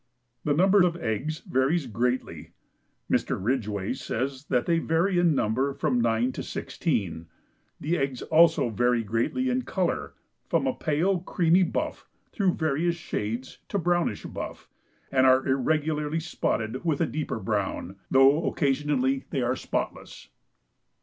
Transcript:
The number of eggs varies greatly. Mr. Ridgway says that they vary in number from nine to sixteen. The eggs also vary greatly in color from a pale, creamy buff through various shades to brownish buff, and are irregularly spotted with a deeper brown, though occasionally they are spotless.